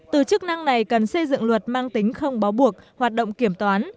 từ chức năng này cần xây dựng luật mang tính không báo buộc hoạt động kiểm toán